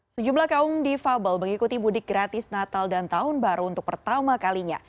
sejumlah kaum difabel mengikuti mudik gratis natal dan tahun baru untuk pertama kalinya